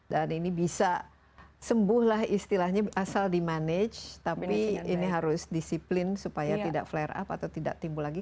dan ini bisa sembuh lah istilahnya asal di manage tapi ini harus disiplin supaya tidak flare up atau tidak timbul lagi